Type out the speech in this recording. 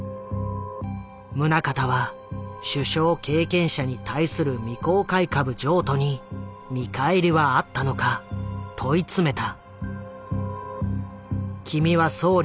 宗像は首相経験者に対する未公開株譲渡に見返りはあったのか問い詰めた。